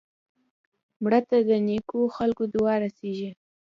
مړه ته د نیکو خلکو دعا رسېږي